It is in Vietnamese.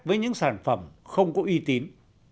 với những sản phẩm không có y tín